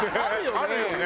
あるよね。